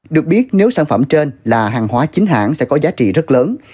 được biết nếu sản phẩm trên là hàng hóa chính hãng sẽ có giá trị rất lớn